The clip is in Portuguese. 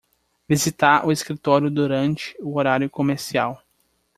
Visitar o escritório durante o horário comercial